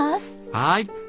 はい！